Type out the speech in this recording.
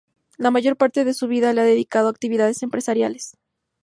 La mayor parte de su vida la ha dedicado a actividades empresariales.